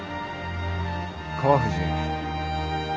川藤。